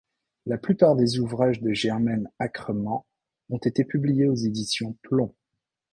La plupart des ouvrages de Germaine Acremant ont été publiés aux éditions Plon.